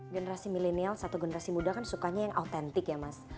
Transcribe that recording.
generasi milenial satu generasi muda kan sukanya yang autentik ya mas